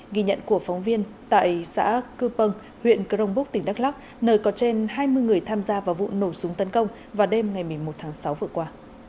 ghi nhận của phóng viên tại xã cư pâng huyện crong búc tỉnh đắk lắc nơi có trên hai mươi người tham gia vào vụ nổ súng tấn công vào đêm ngày một mươi một tháng sáu vừa qua